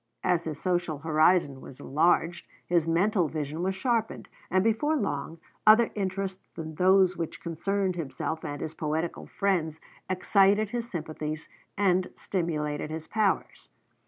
As his social horizon was enlarged, his mental vision was sharpened; and before long, other interests than those which concerned himself and his poetical friends excited his sympathies and stimulated his powers.